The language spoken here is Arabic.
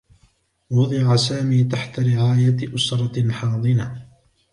وُضِعَ سامي تحت رعاية أسرة حاضنة.